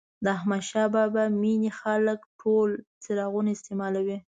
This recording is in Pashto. د احمدشاه بابا مېنې خلک ټول څراغونه استعمالوي.